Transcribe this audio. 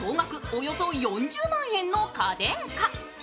およそ４０万円の家電か。